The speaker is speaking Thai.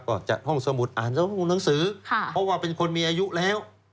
ก็จัดห้องสมุดอ่านห้องหนังสือเพราะว่าเป็นคนมีอายุแล้ว